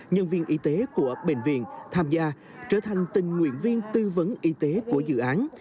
nhân viên y tế của bệnh viện tham gia trở thành tình nguyện viên tư vấn y tế của dự án